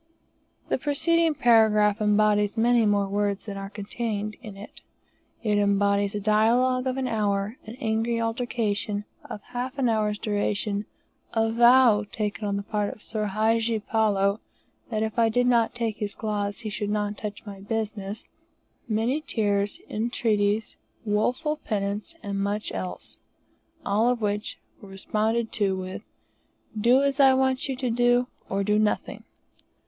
The preceding paragraph embodies many more words than are contained in it. It embodies a dialogue of an hour, an angry altercation of half an hour's duration, a vow taken on the part of Soor Hadji Palloo, that if I did not take his cloths he should not touch my business, many tears, entreaties, woeful penitence, and much else, all of which were responded to with, "Do as I want you to do, or do nothing."